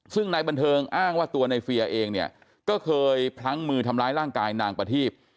ซึ่งนายบันเทิงอ้างว่าตัวในเฟียเองเนี่ยก็เคยพลั้งมือทำร้ายร่างกายนางประทีบ